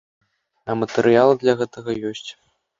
А матэрыялы для гэтага ёсць.